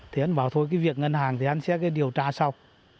thế anh bảo thôi cái việc ngân hàng thì anh sẽ điều tra sau